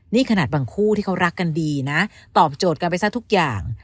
นี่ขนาดบางคู่ที่เขารักกันดีนะตอบโจทย์กันไปซะทุกอย่าง